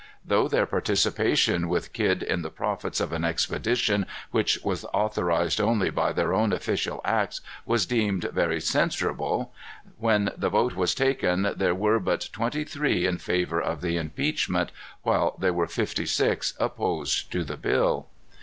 Though their participation with Kidd in the profits of an expedition which was authorized only by their own official acts was deemed very censurable, when the vote was taken there were but twenty three in favor of the impeachment, while there were fifty six opposed to the bill.